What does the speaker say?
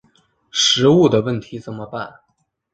食物的问题怎么办？